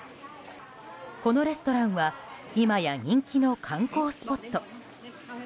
このレストランは今や人気の観光スポット。